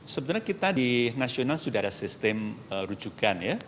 sebenarnya kita di nasional sudah ada sistem rujukan ya